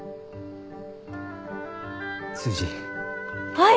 はい！